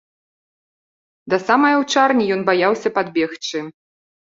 Да самай аўчарні ён баяўся падбегчы.